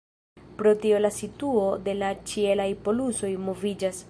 Pro tio la situo de la ĉielaj polusoj moviĝas.